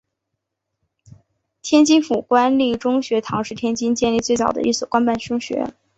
天津府官立中学堂是天津建立最早的一所官办中学。